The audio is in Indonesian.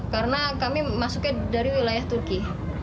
karena kami masuknya dari wilayah turki